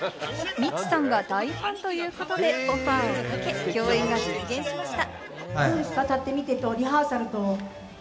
未知さんが大ファンということで、オファーをかけ、共演が実現しました。